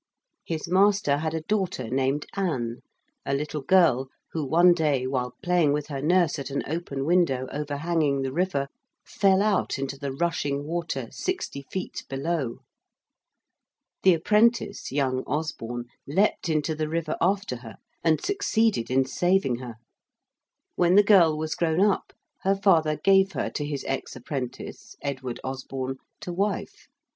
His master had a daughter named Anne, a little girl who one day, while playing with her nurse at an open window overhanging the river, fell out into the rushing water sixty feet below. The apprentice, young Osborne, leaped into the river after her and succeeded in saving her. When the girl was grown up her father gave her to his ex apprentice, Edward Osborne, to wife.